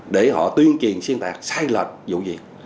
để họ tuyên truyền xuyên tạc sai lệch vụ việc